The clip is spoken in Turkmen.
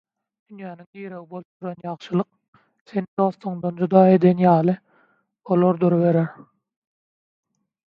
Dünýäň diregi bolup duran ýagşylyk, seni dostuňdan jyda eden ýaly bolar duruberer.